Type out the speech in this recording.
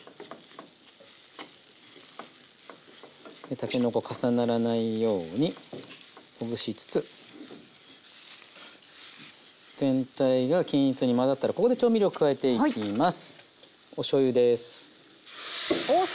たけのこ重ならないようにほぐしつつ全体が均一に混ざったらここで調味料加えていきます。